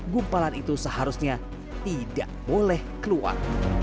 gumpalan itu seharusnya tidak boleh keluar